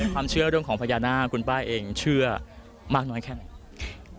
ความเชื่อเรื่องของพญานาคคุณป้าเองเชื่อมากน้อยแค่ไหน